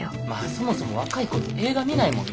そもそも若い子って映画見ないもんな。